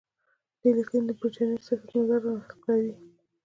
دې لیکنې د برټانیې سیاستمدار را نقلوي.